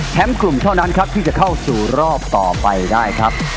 กลุ่มเท่านั้นครับที่จะเข้าสู่รอบต่อไปได้ครับ